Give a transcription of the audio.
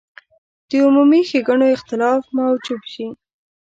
د عمومي ښېګڼو اختلاف موجب شي.